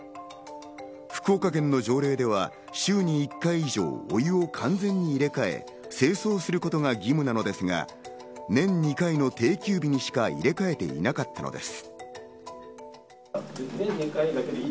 福岡県の条例では週に１回以上、お湯を完全に入れ替え、清掃することが義務なのですが、年に２回の定休日にしか入れ替えていなかったのです。